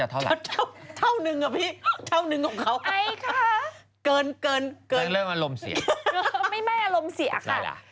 ไม่ไม่อารมณ์เสียค่ะ